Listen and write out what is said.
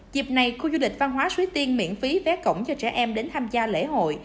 dịp này khu du lịch văn hóa suối tiên miễn phí vé cổng cho trẻ em đến tham gia lễ hội